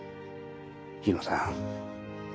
日野さん。